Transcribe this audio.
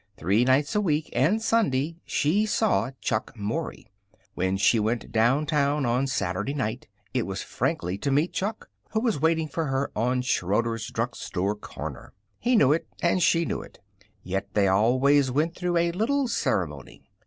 Three nights a week, and Sunday, she saw Chuck Mory. When she went downtown on Saturday night it was frankly to meet Chuck, who was waiting for her on Schroeder's drugstore corner. He knew it, and she knew it. Yet they always went through a little ceremony.